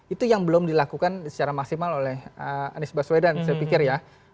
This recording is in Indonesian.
itu yang belum dilakukan secara maksimal oleh anies baswedan saya pikir ya